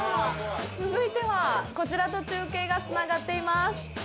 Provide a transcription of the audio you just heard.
続いてはこちらと中継がつながっています。